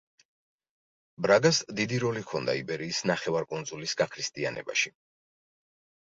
ბრაგას დიდი როლი ჰქონდა იბერიის ნახევარკუნძულის გაქრისტიანებაში.